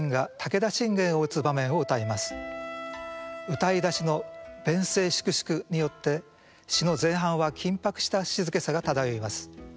詠い出しの「鞭声粛々」によって詩の前半は緊迫した静けさが漂います。